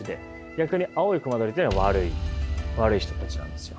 逆に青い隈取というのは悪い悪い人たちなんですよ。